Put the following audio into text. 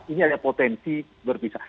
ini ada potensi berpisah